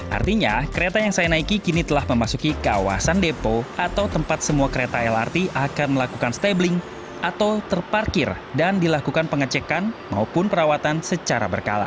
artinya kereta yang saya naiki kini telah memasuki kawasan depo atau tempat semua kereta lrt akan melakukan stabling atau terparkir dan dilakukan pengecekan maupun perawatan secara berkala